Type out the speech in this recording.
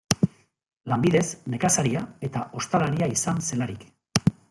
Lanbidez nekazaria eta ostalaria izan zelarik.